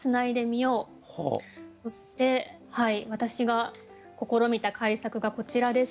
そして私が試みた改作がこちらです。